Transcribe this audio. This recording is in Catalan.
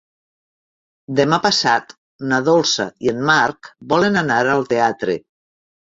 Demà passat na Dolça i en Marc volen anar al teatre.